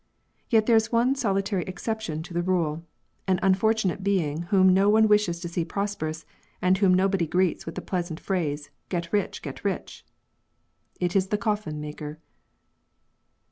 Yet there is one solitary exception to the rule — an unfortunate being whom no one wishes to see prosperous, and whom nobody greets with the pleasant phrase, " Get rich, get rich." It is the coffin maker.